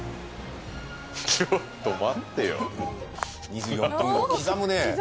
ちょっと待ってよ。